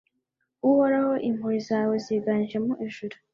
uhoraho, impuhwe zawe ziganje mu ijuru